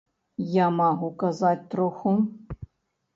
Я магу казаць троху.